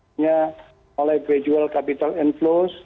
tentunya oleh gradual capital inflow